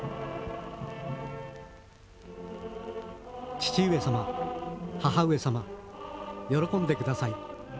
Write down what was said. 「父上様母上様喜んで下さい。